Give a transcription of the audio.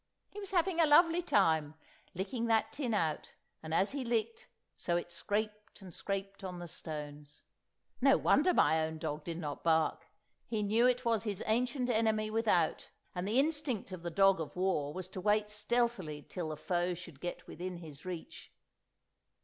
He was having a lovely time, licking that tin out, and as he licked, so it scraped and scraped on the stones. No wonder my own dog did not bark; he knew it was his ancient enemy without, and the instinct of the dog of war was to wait stealthily till the foe should get within his reach.